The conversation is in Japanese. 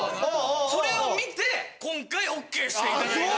それを見て今回ＯＫしていただいた。